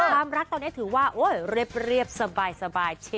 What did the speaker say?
บ้ามรักตอนนี้ถือว่าโอ้ยเรียบสบาย